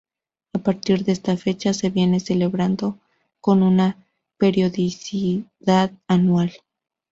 A partir de esta fecha se viene celebrando con una periodicidad anual.